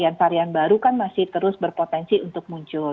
dan varian baru kan masih terus berpotensi untuk muncul